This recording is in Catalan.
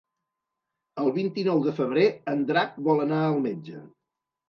El vint-i-nou de febrer en Drac vol anar al metge.